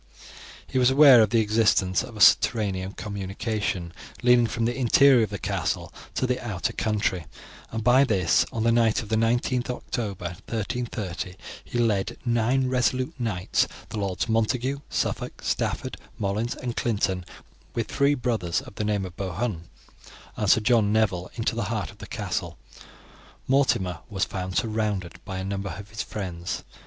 He was aware of the existence of a subterranean communication leading from the interior of the castle to the outer country, and by this, on the night of the 19th of October, 1330, he led nine resolute knights the Lords Montague, Suffolk, Stafford, Molins, and Clinton, with three brothers of the name of Bohun, and Sir John Nevil into the heart of the castle. Mortimer was found surrounded by a number of his friends.